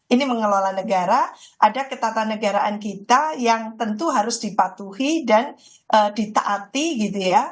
ini mengelola negara ada ketatanegaraan kita yang tentu harus dipatuhi dan ditaati gitu ya